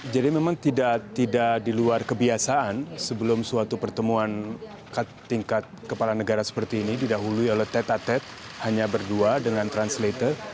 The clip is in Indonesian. jadi memang tidak di luar kebiasaan sebelum suatu pertemuan tingkat kepala negara seperti ini didahului oleh tet a tet hanya berdua dengan translator